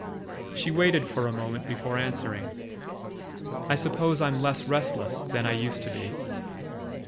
She waited for a moment before answering: "I suppose I'm less restless than I used to be."